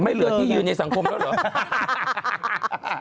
เหลือที่ยืนในสังคมแล้วเหรอ